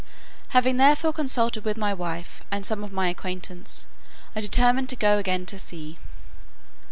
Having therefore consulted with my wife, and some of my acquaintance, I determined to go again to sea.